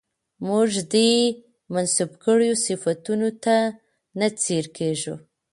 موږ دې منسوب کړيو صفتونو ته نه ځير کېږو